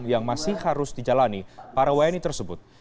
yang masih harus dijalani para wni tersebut